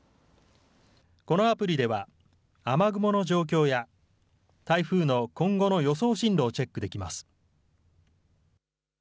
このアプリでは雨雲の状況や台風の今後の予想進路をチェックできます。